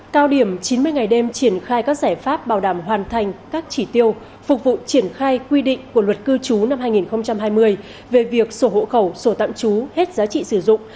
cao điểm chín mươi ngày đêm triển khai các giải pháp bảo đảm hoàn thành các chỉ tiêu phục vụ triển khai quy định của luật cư trú năm hai nghìn hai mươi về việc sổ hộ khẩu sổ tạm trú hết giá trị sử dụng